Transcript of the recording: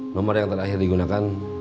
nomor yang terakhir digunakan